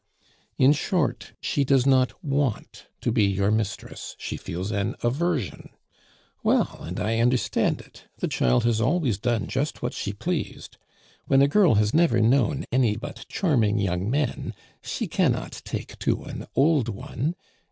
"In short, she does not want to be your mistress; she feels an aversion. Well, and I understand it; the child has always done just what she pleased. When a girl has never known any but charming young men, she cannot take to an old one.